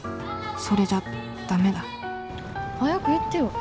それじゃダメだ早く言ってよ。